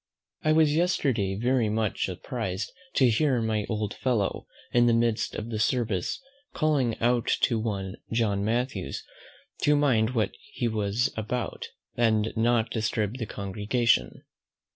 I was yesterday very much surprised to hear my old friend, in the midst of the service, calling out to one John Mathews to mind what he was about, and not disturb the congregation.